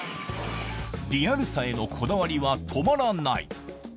リアルさへのこだわりは止まらない。